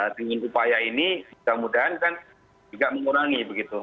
tingin upaya ini semoga juga mengurangi begitu